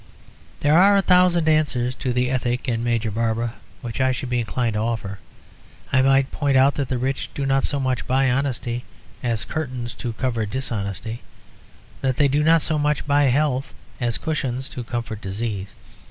There are a thousand answers to the ethic in Major Barbara which I should be inclined to offer. I might point out that the rich do not so much buy honesty as curtains to cover dishonesty: that they do not so much buy health as cushions to comfort disease.